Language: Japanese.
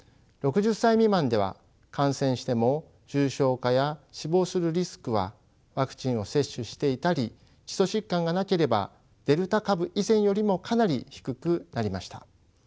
６０歳未満では感染しても重症化や死亡するリスクはワクチンを接種していたり基礎疾患がなければデルタ株以前よりもかなり低くなりました。